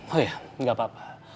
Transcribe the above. oh ya nggak apa apa